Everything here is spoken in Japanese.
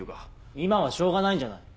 今はしょうがないんじゃない？